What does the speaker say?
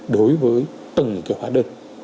đối với từng cái hóa đơn